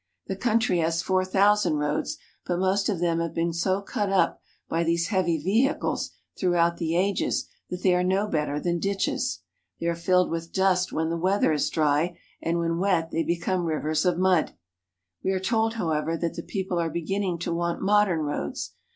The country has four thousand roads, but most of them have been so cut up by these heavy vehicles throughout the ages that they are no better than ditches. They are filled with dust when the weather is dry, and when wet they become rivers of mud. We are told, however, that the people are be ginning to want modern roads.